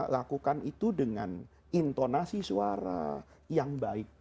lakukan itu dengan intonasi suara yang baik